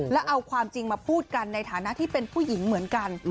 แล้วเอาความจริงมาพูดกันในฐานะที่เป็นผู้หญิงเหมือนกัน